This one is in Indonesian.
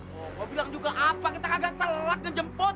mau bilang juga apa kita kagak telak ngejempot